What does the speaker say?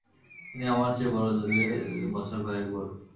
তিনি আমার চেয়ে বড়োজোর বছর ছয়েক বড়ো।